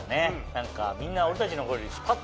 何かみんな。